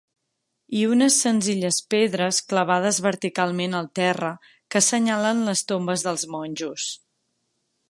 I unes senzilles pedres clavades verticalment al terra que assenyalen les tombes dels monjos.